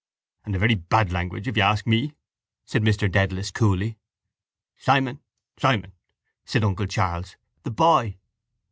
—And very bad language if you ask me, said Mr Dedalus coolly. —Simon! Simon! said uncle Charles. The boy.